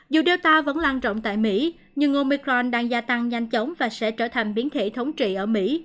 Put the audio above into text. dù do vẫn lan rộng tại mỹ nhưng omicron đang gia tăng nhanh chóng và sẽ trở thành biến thể thống trị ở mỹ